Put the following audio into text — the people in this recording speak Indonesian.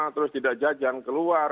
terus tidak jajang keluar